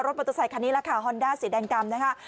มอเตอร์ไซคันนี้แหละค่ะฮอนด้าสีแดงดำนะคะ